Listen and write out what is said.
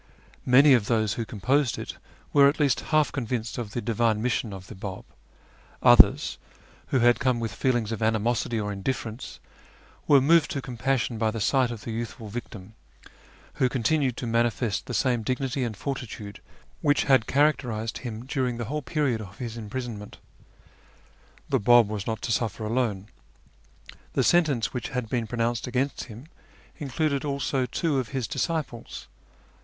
Many of those who composed it were at least half convinced of the divine mission of the Bab ; others, who had come with feel ings of animosity or indifference, were moved to compassion by the sight of the youthful victim, who continued to manifest the same dignity and fortitude which had characterised him during the whole period of his imprisonment. The Bab was not to suffer alone. The sentence which had been pronounced against him included also two of his disciples.